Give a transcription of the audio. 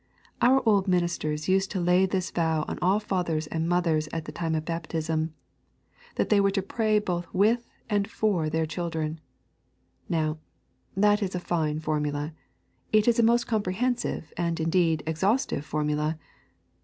Our old ministers used to lay this vow on all fathers and mothers at the time of baptism, that they were to pray both with and for their children. Now, that is a fine formula; it is a most comprehensive, and, indeed, exhaustive formula.